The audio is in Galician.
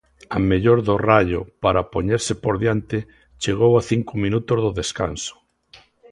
A mellor do Raio para poñerse por diante chegou a cinco minutos do descanso.